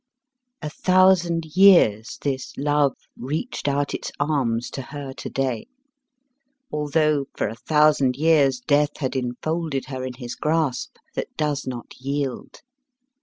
A thousand years this love reached out its arms to her to day; although for a thousand years Death had enfolded her in his grasp, that does not yield.